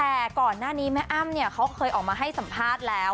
แต่ก่อนหน้านี้แม่อ้ำเนี่ยเขาเคยออกมาให้สัมภาษณ์แล้ว